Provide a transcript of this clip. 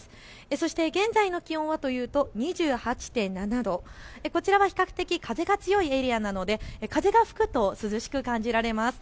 そして現在の気温はというと２８．７度、こちらは比較的風が強いエリアなので風が吹くと涼しく感じられます。